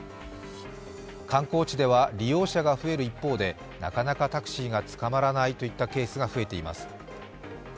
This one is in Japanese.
観光地では利用者が増える一方でなかなかタクシーがつかまらないといったケースが増えているといいます。